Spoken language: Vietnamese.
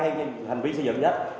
theo hành vi xây dựng nhất